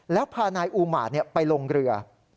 แล้วพานายอูมาตไปลงเรือ